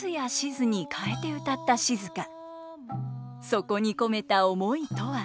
そこに込めた思いとは。